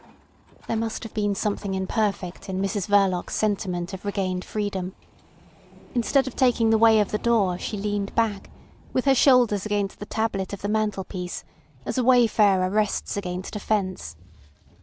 There must have been something imperfect in Mrs Verloc's sentiment of regained freedom. Instead of taking the way of the door she leaned back, with her shoulders against the tablet of the mantelpiece, as a wayfarer rests against a fence.